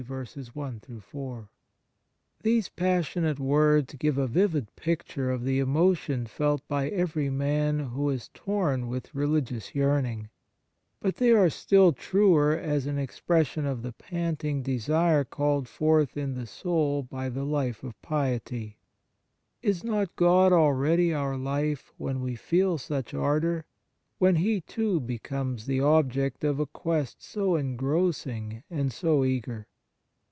1 4. 35 On Piety passionate words'give a vivid|picture of the emotion felt by every man who is torn with religious yearning ; but they are still truer as an expression of the panting desire called forth in the soul by the life of piety. Is not God already our life when we feel such ardour, when He, too, becomes the object of a quest so engrossing and so eager